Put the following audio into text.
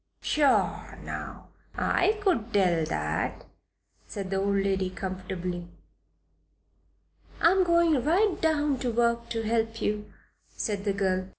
"Pshaw, now! I could tell that," said the old lady, comfortably. "I am going right to work to help you," said the girl.